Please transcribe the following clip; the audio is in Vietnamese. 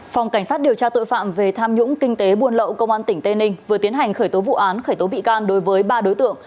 phòng cảnh sát điều tra tội phạm về tham nhũng kinh tế buôn lậu công an tỉnh tây ninh vừa tiến hành khởi tố vụ án khởi tố bị can đối với ba đối tượng